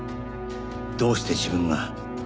どうして自分が。